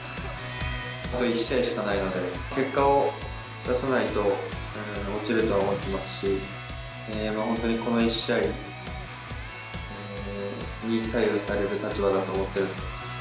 あと１試合しかないので、結果を出さないと落ちるとは思ってますし、本当にこの１試合に左右される立場だと思っている。